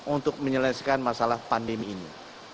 untuk menyelesaikan masalah pandemi ini